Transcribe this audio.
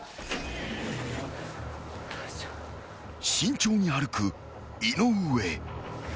［慎重に歩く井上］